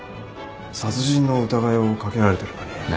殺人の疑いをかけられてるのに。